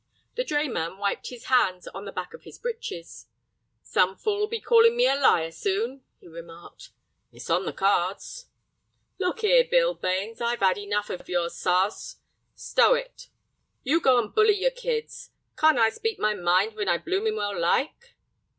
The drayman wiped his hands on the back of his breeches. "Some fool'll be callin' me a liar soon," he remarked. "It's on the cards." "Look 'ere, Bill Bains, I've 'ad enough of your sarce. Stow it." "You go and bully your kids. Can't I speak my mind when I bloomin' well like?"